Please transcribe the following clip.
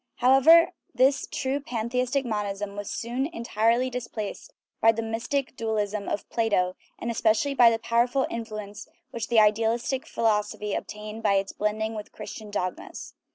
However, this true pantheistic monism was soon entirely displaced by the mystic dualism of Plato, and especially by the powerful influ ence which the idealistic philosophy obtained by its blending with Christian dogmas.